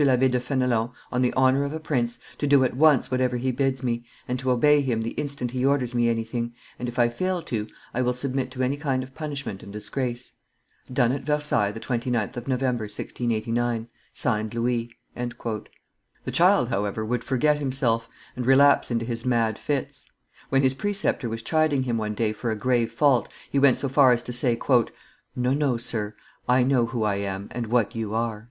l'Abbe de Fenelon, on the honor of a prince, to do at once whatever he bids me, and to obey him the instant he orders me anything, and, if I fail to, I will submit to any kind of punishment and disgrace." "Done at Versailles the 29th of November, 1689. "Signed: Louis." [Illustration: Fenelon and the Duke of Burgundy 610] The child, however, would forget himself, and relapse into his mad fits. When his preceptor was chiding him one day for a grave fault, he went so far as to say, "No, no, sir; I know who I am and what you are."